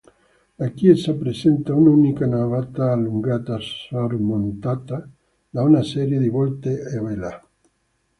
La chiesa presenta un'unica navata allungata sormontata da una serie di volte a vela.